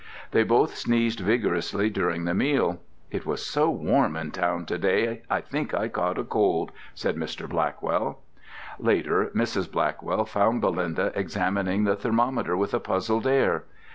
They both sneezed vigorously during the meal. "It was so warm in town to day, I think I caught a cold," said Mr. Blackwell. Later Mrs. Blackwell found Belinda examining the thermometer with a puzzled air.